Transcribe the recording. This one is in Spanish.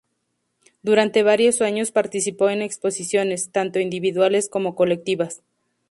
Durante varios años participó en exposiciones, tanto individuales como colectivas.